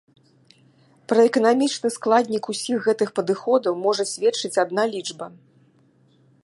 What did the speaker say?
Пра эканамічны складнік усіх гэтых падыходаў можа сведчыць адна лічба.